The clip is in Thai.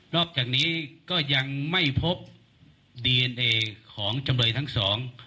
อกจากนี้ก็ยังไม่พบดีเอ็นเอของจำเลยทั้งสอง